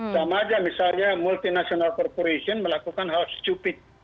sama aja misalnya multinational corporation melakukan hal stupid